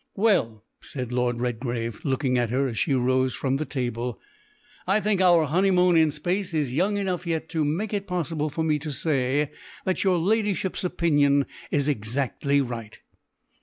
"Well," said Lord Redgrave, looking at her as she rose from the table, "I think our honeymoon in Space is young enough yet to make it possible for me to say that your Ladyship's opinion is exactly right."